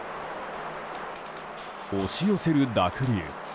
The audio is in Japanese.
押し寄せる濁流。